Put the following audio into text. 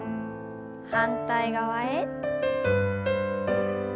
反対側へ。